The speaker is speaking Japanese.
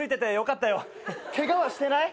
ケガはしてない？